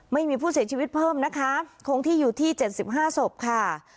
ไม่มีผู้เสียชีวิตเพิ่มนะคะคงที่อยู่ที่๗๕ศพค่ะ